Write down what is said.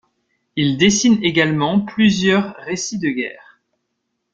Il dessine également plusieurs récits de guerre.